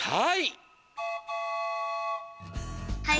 はい。